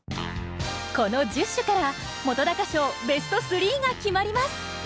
この１０首から本賞ベスト３が決まります。